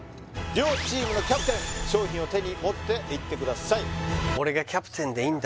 両チームのキャプテン商品を手に持っていってください